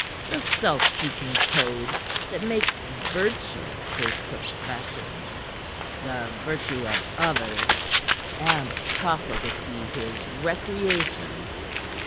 The self seeking toad that makes virtue his profession the virtue of others and profligacy his recreation!"